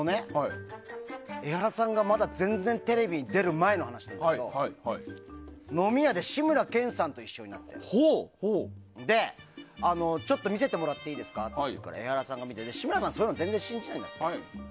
江原さんがまだ全然テレビに出る前の話なんですけど飲み屋で志村けんさんと一緒になってちょっと見せてもらっていいですかって言うから志村さんはそういうのを信じないの。